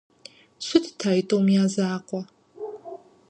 Щытт а тӀум я закъуэ.